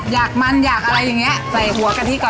อยากมันอยากอะไรอย่างนี้